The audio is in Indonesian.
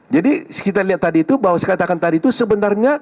jadi kita lihat tadi itu bahwa sekatakan tadi itu sebenarnya